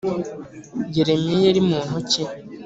yelemiya yari muntu ki?